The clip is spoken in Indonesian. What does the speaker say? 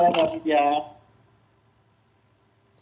selamat sore pak huda